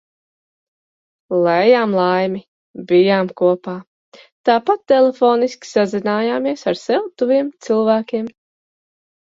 Lējām laimi, bijām kopā. Tāpat telefoniski sazinājāmies ar sev tuviem cilvēkiem.